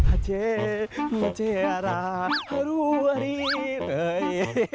อาเจอาเจราหรูหรีเฮ้ย